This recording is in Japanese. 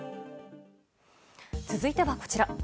続いては、こちら。